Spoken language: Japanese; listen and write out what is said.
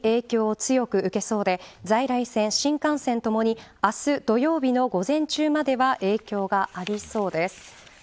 関東地方と東海地方が特に影響を強く受けそうで在来線、新幹線ともに明日土曜日の午前中までは影響がありそうです。